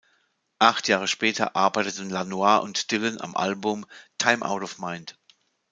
Acht Jahre später arbeiteten Lanois und Dylan am Album „Time Out of Mind“.